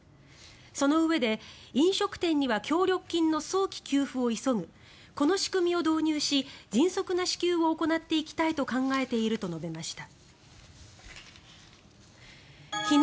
そのうえで、飲食店には協力金の早期給付を急ぐこの仕組みを導入し迅速な支給を行っていきたいと考えていると述べました。